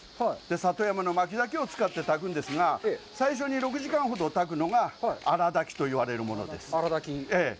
里山のまきだけを使って炊くんですが、最初に炊くのが荒炊きといわれるものです。